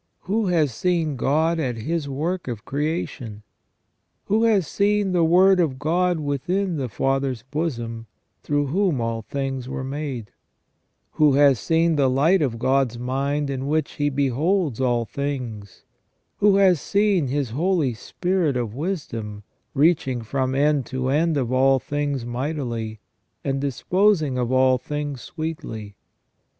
Who has seen God at His work of creation ? Who has seen the Word of God within the Father's bosom, through whom all things are made ? Who has seen the light of God's mind in which He beholds all things? Who has seen His Holy Spirit of wisdom, "reaching from end to end of all things mightily, and disposing of all things sweetly "